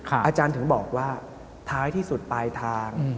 อาจารย์ถึงบอกว่าท้ายที่สุดปลายทาง